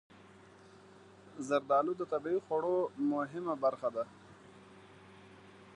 زردالو د طبعي خواړو مهمه برخه ده.